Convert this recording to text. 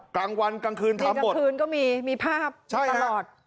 กลางวันกลางคืนทั้งหมดเป็นกับคืนก็มีมีภาพตลอด